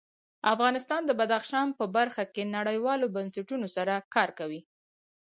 افغانستان د بدخشان په برخه کې نړیوالو بنسټونو سره کار کوي.